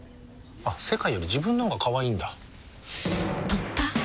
あっ世界より自分の方がかわいいんだ。